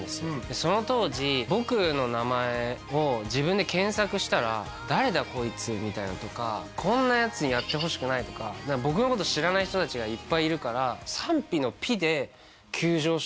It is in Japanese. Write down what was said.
その当時僕の名前を自分で検索したら誰だこいつみたいなのとかこんなやつにやってほしくないとか僕のこと知らない人達がいっぱいいるからマジで？